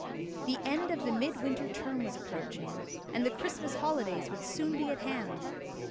The end of the mid winter term was approaching, and the Christmas holidays would soon be at hand.